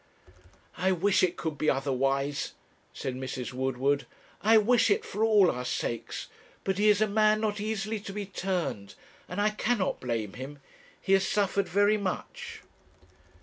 'I wish it could be otherwise,' said Mrs. Woodward, 'I wish it for all our sakes; but he is a man not easily to be turned, and I cannot blame him. He has suffered very much.'